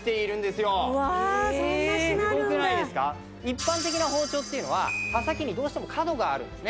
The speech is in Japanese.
一般的な包丁っていうのは刃先にどうしても角があるんですね。